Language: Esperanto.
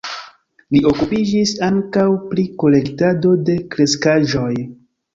Li okupiĝis ankaŭ pri kolektado de kreskaĵoj.